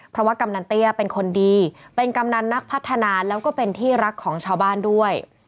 เพราะว่ากำนันเตี้ยเป็นคนดีเป็นกำนันนักพัฒนาแล้วก็เป็นที่รักของชาวบ้านด้วย